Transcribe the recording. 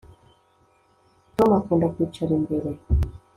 tom akunda kwicara imbere